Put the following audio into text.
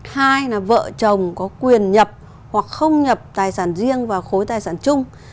hai là vợ chồng có quyền nhập hoặc không nhập tài sản riêng vào khối tài sản chung